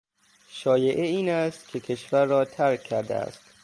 شایعه این است که کشور را ترک کرده است.